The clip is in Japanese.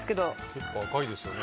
結構赤いですよね。